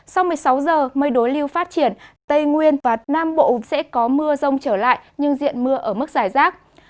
sau một mươi sáu giờ mây đối lưu phát triển tây nguyên và nam bộ sẽ có mưa rông trở lại nhưng diện mưa ở mức giải rác